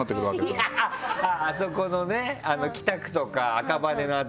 あそこのね北区とか赤羽の辺りの。